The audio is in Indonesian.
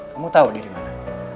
kamu tau dia dimana